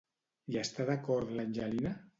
Hi està d'acord l'Angelina?